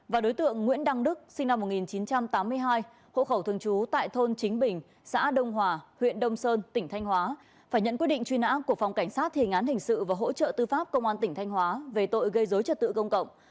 và đối tượng nguyễn đăng đức sinh năm một nghìn chín trăm tám mươi hai hộ khẩu thường trú tại thôn chính bình xã đông hòa huyện đông sơn tỉnh thanh hóa phải nhận quyết định truy nã của phòng cảnh sát thề ngán hình sự và hỗ trợ tư pháp công an tỉnh thanh hóa về tội gây dối trật tự công cộng